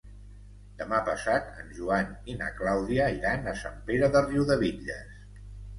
Demà passat en Joan i na Clàudia iran a Sant Pere de Riudebitlles.